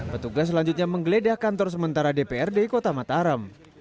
petugas selanjutnya menggeledah kantor sementara dprd kota mataram